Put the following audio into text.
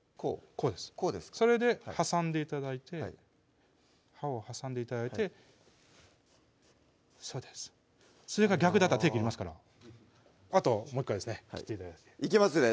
こうこうですそれで挟んで頂いて刃を挟んで頂いてそうですそれが逆だったら手切りますからあともう１回ですね切って頂いていきますね